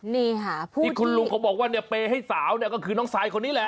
นี่คุณลุงเขาบอกว่าเปย์ให้สาวก็คือน้องสายคนนี้แหละ